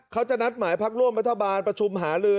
เขาจะนัดหมายพักร่วมรัฐบาลประชุมหาลือ